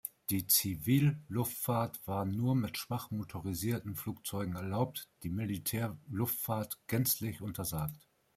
Die Zivilluftfahrt war nur mit schwach motorisierten Flugzeugen erlaubt, die Militärluftfahrt gänzlich untersagt.